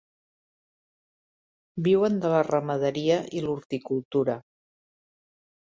Viuen de la ramaderia i l'horticultura.